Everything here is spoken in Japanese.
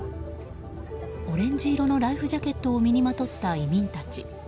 オレンジ色のライフジャケットを身にまとった移民たち。